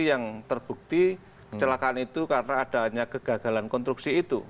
yang terbukti kecelakaan itu karena adanya kegagalan konstruksi itu